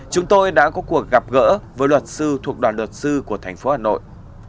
chúng tôi đã có cuộc gặp gỡ với luật sư thuộc đoàn luật sư của thành phố hà nội